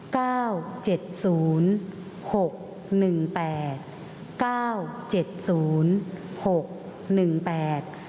เก้าเจ็ดศูนย์หกหนึ่งแปดเก้าเจ็ดศูนย์หกหนึ่งแปด